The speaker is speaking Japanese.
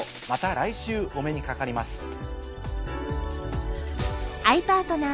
また来週お目にかかります。